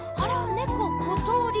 ねこことり。